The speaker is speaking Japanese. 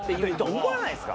思わないですか？